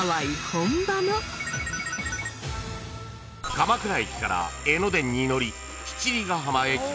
［鎌倉駅から江ノ電に乗り七里ヶ浜駅で下車］